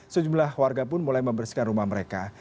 sejumlah warga pun mulai membersihkan rumah mereka